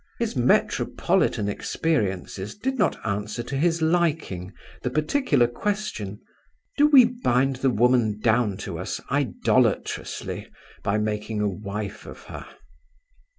His metropolitan experiences did not answer to his liking the particular question, Do we bind the woman down to us idolatrously by making a wife of her?